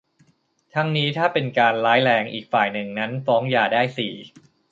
ทั้งนี้ ถ้าเป็นการร้ายแรงอีกฝ่ายหนึ่งนั้นฟ้องหย่าได้ สี่